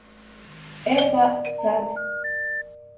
Е па, сад.